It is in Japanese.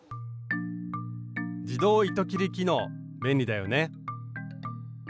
自動糸切り機能便利だよね。